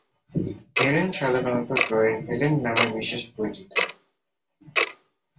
Helen সাধারণত ট্রয়ের Helen নামে বিশেষ পরিচিত।